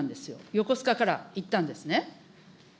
横須賀から行ったんですね。